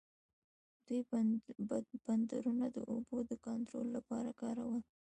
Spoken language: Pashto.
دوی بندرونه د اوبو د کنټرول لپاره کارول.